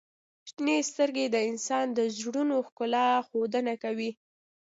• شنې سترګې د انسان د زړونو ښکلا ښودنه کوي.